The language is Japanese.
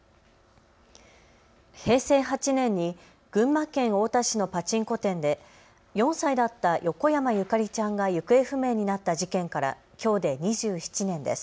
平成８年に群馬県太田市のパチンコ店で４歳だった横山ゆかりちゃんが行方不明になった事件からきょうで２７年です。